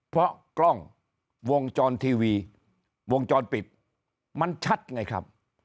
เพราะกล้องวงจรทีวีวงจรปิดมันชัดไงครับ